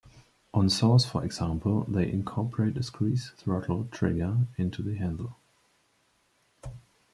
On saws for example, they incorporate a squeeze throttle trigger into the handle.